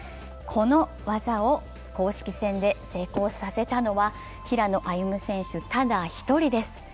この技を公式戦で成功させたのは、平野歩夢選手ただ１人です。